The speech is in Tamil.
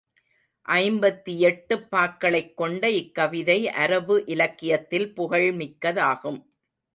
ஐம்பத்தியெட்டுப் பாக்களைக் கொண்ட இக்கவிதை அரபு இலக்கியத்தில் புகழ் மிக்கதாகும்.